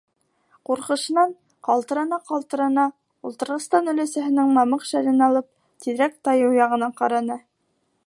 Ҡурҡышынан ҡалтырана-ҡалтырана, ултырғыстан өләсәһенең мамыҡ шәлен алып, тиҙерәк тайыу яғын ҡараны.